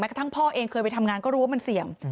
กระทั่งพ่อเองเคยไปทำงานก็รู้ว่ามันเสี่ยง